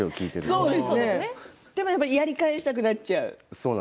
でもやり返したくなっちゃう。